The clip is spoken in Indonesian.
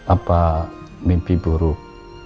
apa mimpi buruk